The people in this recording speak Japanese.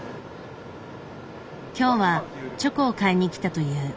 今日はチョコを買いに来たという。